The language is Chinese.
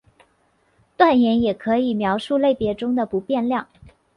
断言也可以描述类别中的不变量。